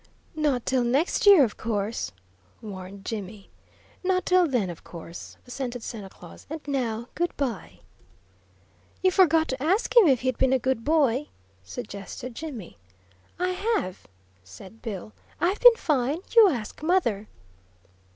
"Not till next year, of course," warned Jimmy. "Not till then, of course," assented Santa Claus. "And now, good bye." "You forgot to ask him if he'd been a good boy," suggested Jimmy. "I have," said Bill. "I've been fine. You ask mother."